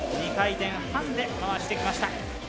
２回転半で回してきました。